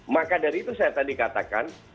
maka dari itu saya tadi katakan